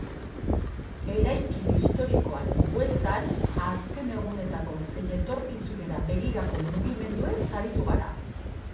Eraikin historikoaren bueltan, azken egunetako zein etorkizunera begirako mugimenduez aritu gara.